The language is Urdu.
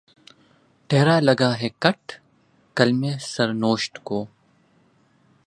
ٹیڑھا لگا ہے قط‘ قلمِ سر نوشت کو